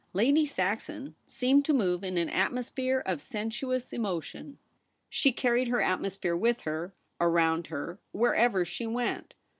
Lady Saxon seemed to move in an atmo sphere of sensuous emotion. She carried her atmosphere with her, around her, wherever she went.